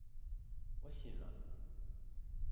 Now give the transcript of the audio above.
我醒了